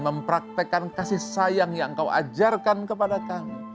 mempraktekan kasih sayang yang engkau ajarkan kepada kami